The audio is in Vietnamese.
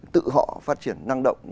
tự họ phát triển năng động